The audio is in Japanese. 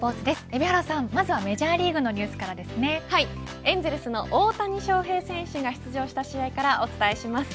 海老原さん、まずはメジャーリーグのエンゼルスの大谷翔平選手が出場した試合からお伝えします。